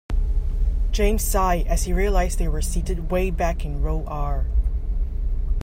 James sighed as he realized they were seated way back in row R.